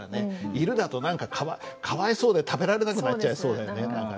「いる」だと何かかわいそうで食べられなくなっちゃいそうだよね。